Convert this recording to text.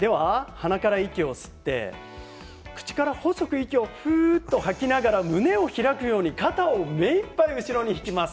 鼻から息を吸って口から細く息をふうっと吐きながら胸を開くように肩を目いっぱい後ろに引きます。